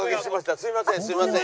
すいませんすいません。